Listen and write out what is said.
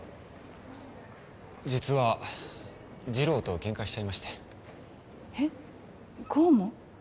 実は次郎とケンカしちゃいましてえっ功も？